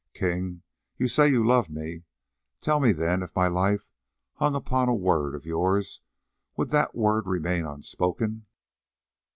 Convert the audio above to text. King, you say you love me; tell me then if my life hung upon a word of yours, would that word remain unspoken?